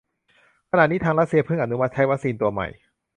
ขณะนี้ทางรัสเซียเพิ่งอนุมัติใช้วัคซีนตัวใหม่